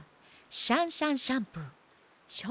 シャンシャンシャンプー。